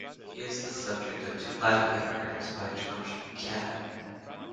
He is the subject of two Latin epigrams by George Buchanan.